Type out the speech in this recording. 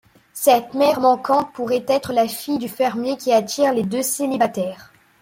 Cette mère manquante pourrait être la fille du fermier qui attire les deux célibataires.